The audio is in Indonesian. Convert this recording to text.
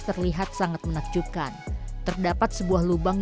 tergolong perut penggunaan lekap prince